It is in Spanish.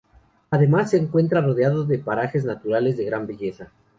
Además, se encuentra rodeado de parajes naturales de gran belleza.